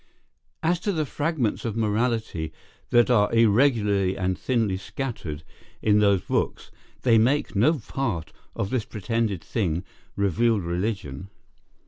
As to the fragments of morality that are irregularly and thinly scattered in those books, they make no part of this pretended thing, revealed religion.